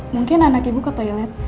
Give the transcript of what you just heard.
mungkin anak ibu ke toilet